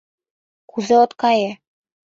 Кузе от кае?